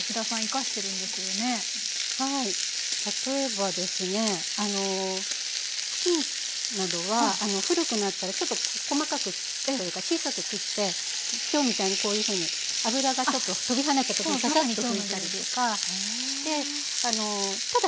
例えばですね布巾などは古くなったらちょっと細かくというか小さく切って今日みたいにこういうふうに油がちょっと飛び跳ねた時にささっと拭いたりとかして。